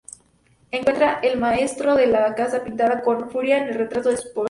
Encuentra el maestro de la casa pintando con furia el retrato de su esposa.